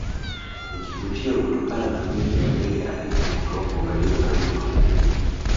Ni kivutio kutokana na wingi wa ndege aina ya korongo walio na mvuto mkubwa